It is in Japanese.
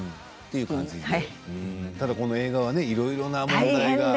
ただこの映画はいろいろな問題が。